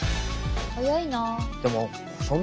早いな。